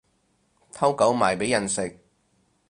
偷狗賣畀人食